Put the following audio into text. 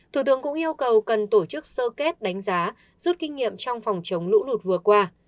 thủ tướng cũng yêu cầu cần tổ chức sơ kết đánh giá rút kinh nghiệm trong phòng chống lũ lụt vừa qua